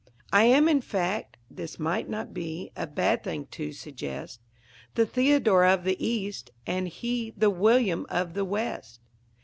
I am, in fact, (this might not be A bad thing to suggest,) The Theodore of the East, and he The William of the West.